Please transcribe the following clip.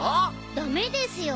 ダメですよ。